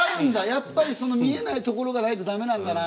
やっぱり見えないところがないと駄目なんだな。